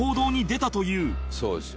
「そうですよ」